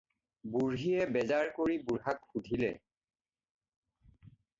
বুঢ়ীয়ে বেজাৰ কৰি বুঢ়াক সুধিলে।